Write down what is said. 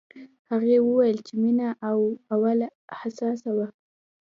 هغې وویل چې مينه له اوله حساسه وه